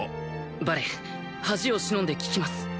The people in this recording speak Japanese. バレ恥をしのんで聞きます